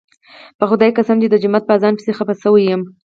په خدای قسم چې د جومات په اذان پسې خپه شوی یم.